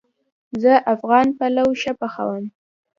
زه افغان پلو ښه پخوم